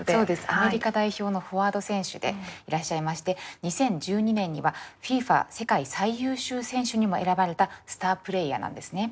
アメリカ代表のフォワード選手でいらっしゃいまして２０１２年にはＦＩＦＡ世界最優秀選手にも選ばれたスタープレーヤーなんですね。